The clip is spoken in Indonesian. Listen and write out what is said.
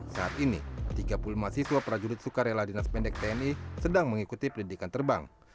saat ini tiga puluh mahasiswa prajurit sukarela dinas pendek tni sedang mengikuti pendidikan terbang